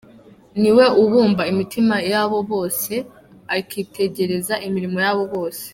Ni we ubumba imitima yabo bose, Akitegereza imirimo yabo yose.